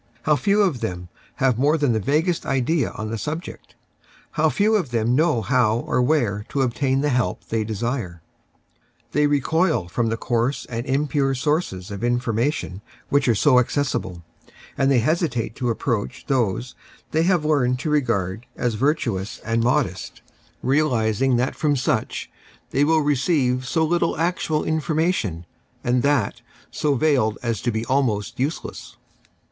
How few of them have more than the vaguest ideas on the subject ! How few of them know how or where to obtain the help they desire ! They recoil from the coarse and impure sources of infor mation which are so accessible, and they hesitate to approach those they have learned to regard as virtuous and modest, vii viii Preface lealising that from such they will receive so little actual information, and that so veiled as to be almost useless.